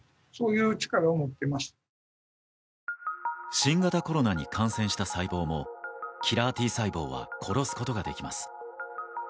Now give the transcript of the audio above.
新型コロナに感染した細胞もキラーＴ細胞は殺すことができます。